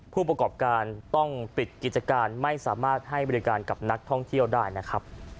ผู้ประกอบการต้องปิดกิจการไม่สามารถให้บริการกับนักท่องเที่ยวได้นะครับ